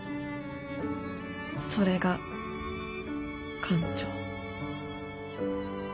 それが艦長。